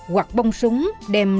hoặc bông súng đem nấu